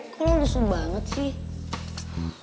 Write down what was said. kau lulus banget sih